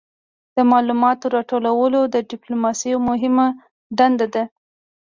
د معلوماتو راټولول د ډیپلوماسي یوه مهمه دنده ده